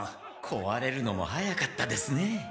こわれるのも早かったですね。